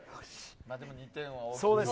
でも２点は大きいか。